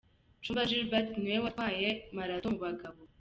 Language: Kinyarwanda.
Chumba Gilbert ni we watwaya marato mu bagabo.